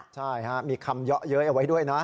ใช่มีคำเยาะเย้ยเอาไว้ด้วยนะ